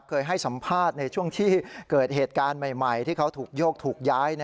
เคยให้สัมภาษณ์ในช่วงที่เกิดเหตุการณ์ใหม่ที่เขาถูกโยกถูกย้าย